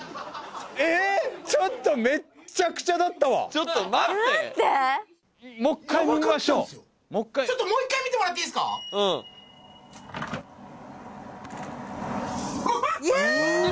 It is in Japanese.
えっちょっとめっちゃくちゃだったわちょっと待って待ってもう一回見ましょうもう一回もう一回見てもらっていいですかあっあっあっ！